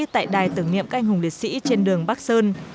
tại đài tưởng niệm canh hùng liệt sĩ trên đường bắc sơn